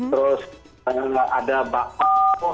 terus ada bakso